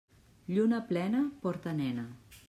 Lluna plena, porta nena.